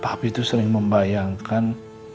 papi tuh sering membayangkan